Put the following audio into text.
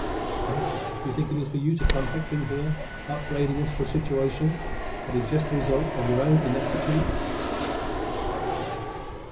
Yet you think it is for you to come hectoring here, upbraiding us for a situation that is just the result of your own ineptitude."